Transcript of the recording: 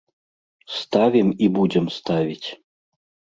Ставім і будзем ставіць.